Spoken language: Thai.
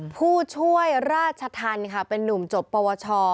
พูดช่วยราชธรรมิสตินเป็นหนุ่มจบปวช